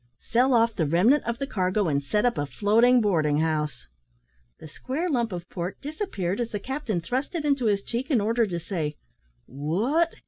"Sell off the remnant of the cargo, and set up a floating boarding house." The square lump of pork disappeared, as the captain thrust it into his cheek in order to say, "What?"